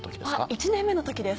１年目の時です。